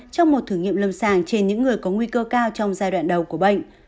trong một thử nghiệm lâm sàng trên những người có nguy cơ cao trong giai đoạn đầu của bệnh